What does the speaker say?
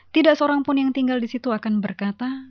tidak seorang pun yang tinggal di situ akan berkata